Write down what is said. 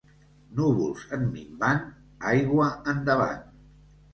Núvols en minvant, aigua endavant.